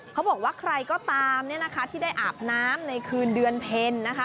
เขาบอกว่าใครก็ตามเนี่ยนะคะที่ได้อาบน้ำในคืนเดือนเพ็ญนะคะ